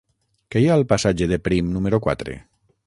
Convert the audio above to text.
Què hi ha al passatge de Prim número quatre?